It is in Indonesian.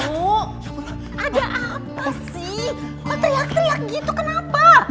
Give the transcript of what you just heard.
kok teriak teriak gitu kenapa